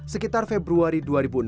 sekitar februari dua ribu enam belas